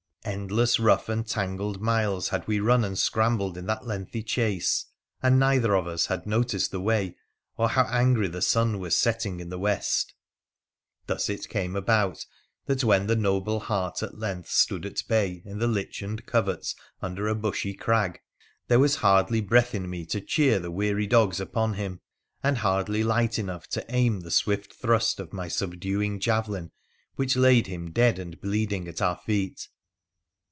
Endless, rough, and tangled miles had we run and scrambled in that lengthy chase, and neither of us had noticed the way, or how angry the sun was setting in the west. Thus it came about that when the noble hart at length stood at bay in the lichened coverts under a bushy crag, there was hardly breath in me to cheer the weary dogs upon him, and hardly light enough to aim the swift thrust of my subduing javelin which laid him dead and bleeding at our feet.